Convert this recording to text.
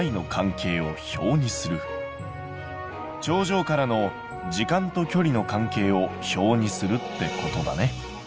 頂上からの時間と距離の関係を表にするってことだね。